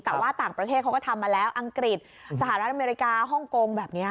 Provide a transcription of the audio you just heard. แต่ว่าต่างประเทศเขาก็ทำมาแล้วอังกฤษสหรัฐอเมริกาฮ่องกงแบบนี้